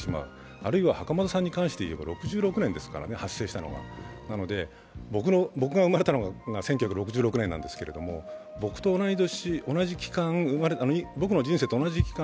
あるいは袴田さんに関していえば発生したのが６６年ですからね、僕が生まれたのが１９６６年なんですけど僕の人生と同じ期間